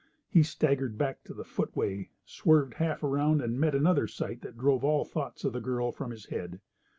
He staggered back to the footway, swerved half around, and met another sight that drove all thoughts of the girl from his head.